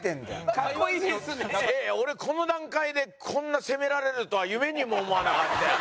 俺この段階でこんな責められるとは夢にも思わなかったよ。